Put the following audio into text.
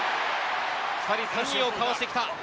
２人３人をかわしてきた。